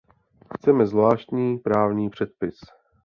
Chceme zvláštní právní předpis.